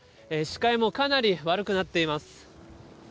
視界もかなり悪くなっています。